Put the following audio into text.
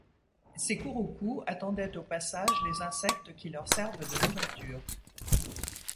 Ces couroucous attendaient au passage les insectes qui leur servent de nourriture